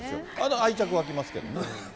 愛着湧きますけどね。